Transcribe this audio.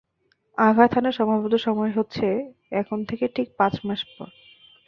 আঘাত হানার সম্ভাব্য সময় হচ্ছে এখন থেকে ঠিক পাঁচ মাস পর!